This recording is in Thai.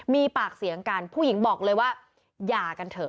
มีปากเสียงกันผู้หญิงบอกเลยว่าหย่ากันเถอะ